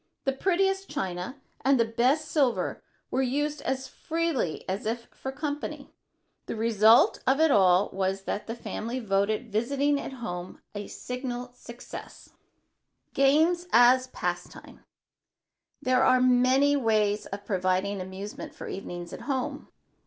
The prettiest china and the best silver were used as freely as if for company. The result of it all was that the family voted visiting at home a signal success. [Sidenote: GAMES AS A PASTIME] There are many specific ways of providing amusement for evenings at home.